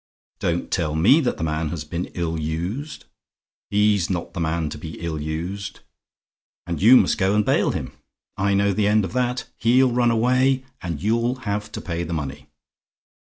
Don't tell me that the man has been ill used: he's not the man to be ill used. And you must go and bail him! I know the end of that: he'll run away, and you'll have to pay the money.